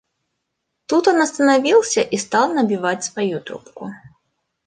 Тут он остановился и стал набивать свою трубку.